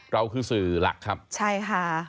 เราคือสื่อหลักครับใช่ค่ะ